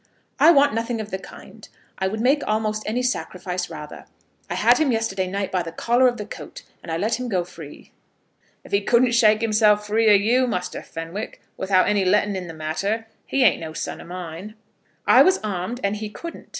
"I want nothing of the kind. I would make almost any sacrifice rather. I had him yesterday night by the collar of the coat, and I let him go free." "If he couldn't shake himself free o' you, Muster Fenwick, without any letting in the matter, he ain't no son of mine." "I was armed, and he couldn't.